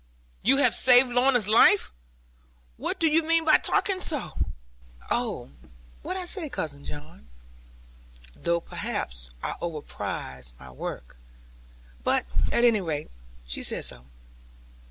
'You have saved my Lorna's life! What do you mean by talking so?' 'Only what I say, Cousin John. Though perhaps I overprize my work. But at any rate she says so.'